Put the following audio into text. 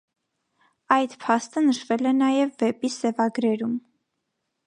Այդ փաստը նշվել է նաև վեպի սևագրերում։